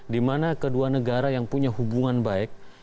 dimana kedua negara yang punya hubungan baik